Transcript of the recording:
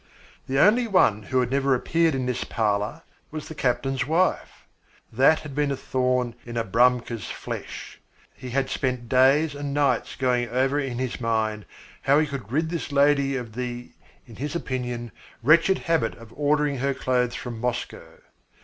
The only one who had never appeared in this parlour was the captain's wife. That had been a thorn in Abramka's flesh. He had spent days and nights going over in his mind how he could rid this lady of the, in his opinion, wretched habit of ordering her clothes from Moscow.